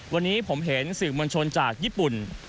วันนี้ผมเห็นสื่อมวลชนจากญี่ปุ่น